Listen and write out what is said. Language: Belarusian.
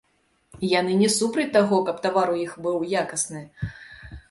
Яны не супраць таго, каб тавар у іх быў якасны.